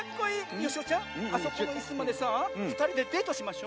よしおちゃんあそこのいすまでさあふたりでデートしましょ。